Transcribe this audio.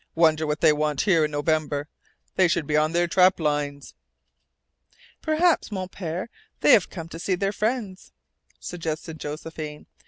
"Wonder what they want here in November. They should be on their trap lines." "Perhaps, Mon Pere, they have come to see their friends," suggested Josephine.